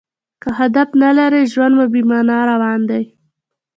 که هدف نه لرى؛ ژوند مو بې مانا روان دئ.